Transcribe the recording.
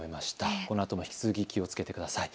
このあとも引き続き気をつけてください。